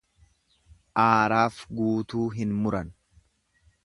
Aaraaf guutuu hin muran.